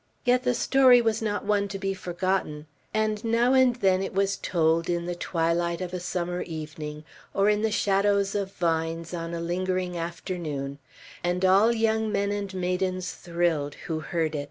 Yet the story was not one to be forgotten; and now and then it was told in the twilight of a summer evening, or in the shadows of vines on a lingering afternoon, and all young men and maidens thrilled who heard it.